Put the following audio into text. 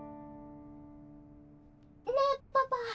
・ねえパパ！